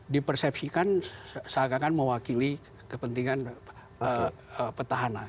di persepsikan seakan akan mewakili kepentingan petahanan